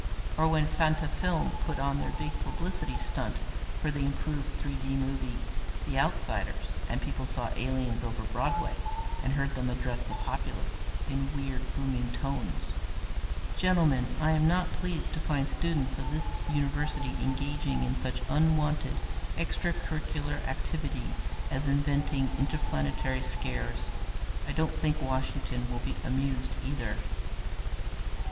Or when Fantafilm put on their big publicity stunt for the improved 3 D movie, 'The Outsiders', and people saw the aliens over Broadway and heard them address the populace in weird, booming tones. "Gentlemen, I am not pleased to find students of this University engaging in such unwanted extra curricular activity as inventing interplanetary scares. I don't think Washington will be amused, either."